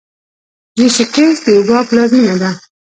ریشیکیش د یوګا پلازمینه ده.